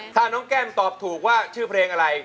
ถ้าน้องแก้มตอบถูกว่าชื่อเพลงอะไร